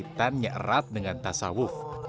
kaitannya erat dengan tasawuf